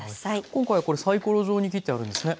今回はこれサイコロ状に切ってあるんですね。